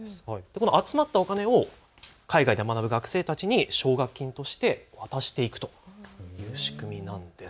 この集まったお金を海外で学ぶ学生たちに奨学金として渡していくという仕組みなんです。